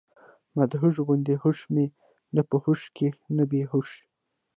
مدهوشه غوندي هوش مي نۀ پۀ هوش کښې نۀ بي هوشه